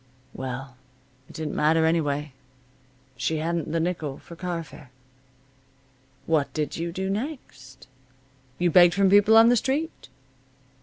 Well, it didn't matter, anyway. She hadn't the nickel for car fare. What did you do next? You begged from people on the street.